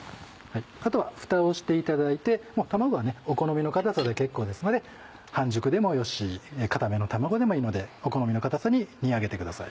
後はふたをしていただいて卵はねお好みのかたさで結構ですので半熟でもよしかための卵でもいいのでお好みのかたさに煮上げてください。